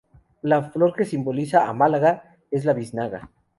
La flor que simboliza a Málaga es la biznaga.